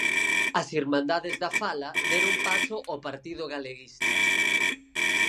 As Irmandades da Fala deron paso ao Partido Galeguista.